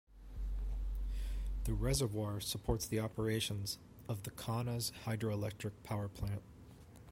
The reservoir supports the operations of the Kaunas Hydroelectric Power Plant.